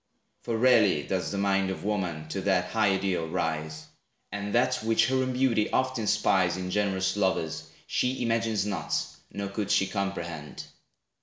For rarely does the mind Of woman to that high ideal rise; And that which her own beauty oft inspires In generous lovers, she imagines not, Nor could she comprehend.